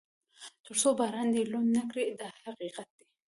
تر څو باران دې لوند نه کړي دا حقیقت دی.